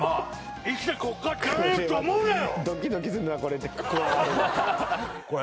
生きてここから帰れると思うなよ。